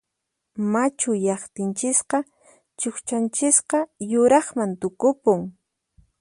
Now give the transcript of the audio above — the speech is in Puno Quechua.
Machuyaqtinchisqa chuqchanchisqa yuraqman tukupun.